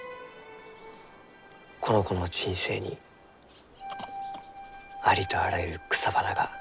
この子の人生にありとあらゆる草花が咲き誇るように。